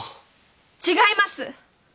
違います！